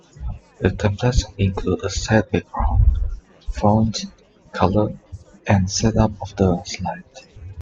The templates include a set background, font, color and set up of the slide.